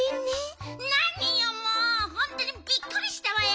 なによもうほんとにびっくりしたわよ！